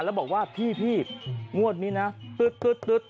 แล้วบอกว่าพี่งวดนี้นะตึ๊ด